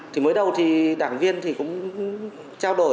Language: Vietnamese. thì mới đầu thì đảng viên thì cũng trao đổi